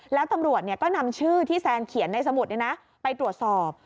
แล้วตำรวจก็นำชื่อที่แซนเขียนในสมุดไปตรวจสอบ